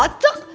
boy aja tahu pak